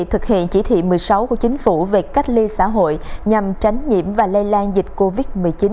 trước chí thị một mươi sáu của chính phủ về cách ly xã hội nhằm tránh nhiễm và lây lan dịch covid một mươi chín